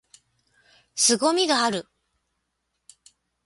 凄みがある！！！！